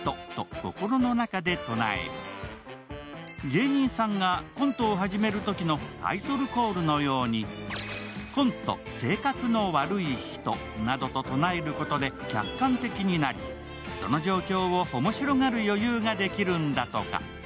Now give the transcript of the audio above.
芸人さんがコントを始めるときのタイトルコールのように、コント：性格の悪い人などと唱えることで客観的になり、その状況を面白がる余裕ができるんだとか。